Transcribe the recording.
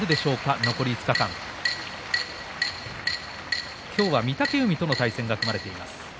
今日は御嶽海との対戦が組まれています。